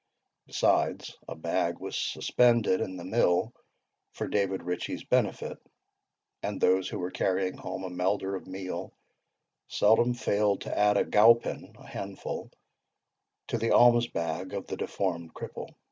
Besides, a bag was suspended in the mill for David Ritchie's benefit; and those who were carrying home a melder of meal, seldom failed to add a GOWPEN [Handful] to the alms bag of the deformed cripple.